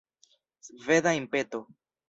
Sveda impeto!